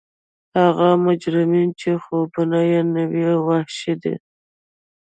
هغه مجرمین چې خوبونه یې نوي او وحشي دي